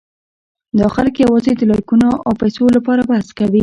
دا خلک یواځې د لایکونو او پېسو لپاره بحث کوي.